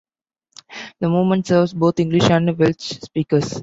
The Movement serves both English and Welsh speakers.